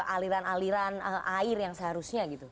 aliran aliran air yang seharusnya gitu